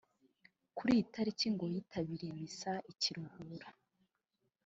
Kuri iyi tariki ngo yitabiriye Misa i Kiruhura